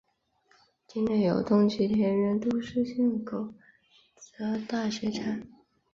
町内有东急田园都市线驹泽大学站。